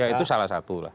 ya itu salah satu